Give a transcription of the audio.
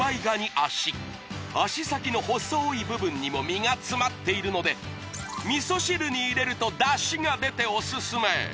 脚脚先の細い部分にも身が詰まっているので味噌汁に入れるとダシが出ておすすめ！